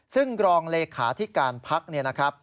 ซึ่งรองเลขาที่การพักเนี่ยนะครับ